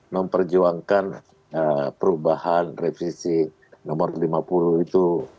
memperjuangkan perubahan revisi nomor lima puluh itu